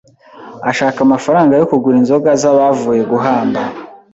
ashaka amafaranga yo kugura inzoga z' abavuye guhamba